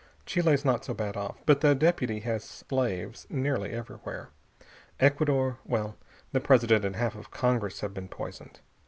"Chile's not so bad off, but the deputy has slaves nearly everywhere. Ecuador well, the President and half of Congress have been poisoned.